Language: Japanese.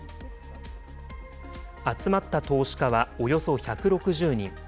集まった投資家はおよそ１６０人。